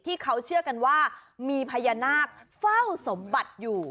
ที่เขาเชื่อกันว่ามีพญานาคเฝ้าสมบัติอยู่